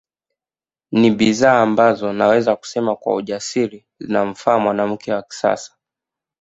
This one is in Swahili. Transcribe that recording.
Ni bidhaa ambazo naweza kusema kwa ujasiri zinamfaa mwanamke wa kisasa